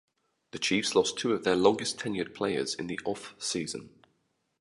The Chiefs lost two of their longest tenured players in the offseason.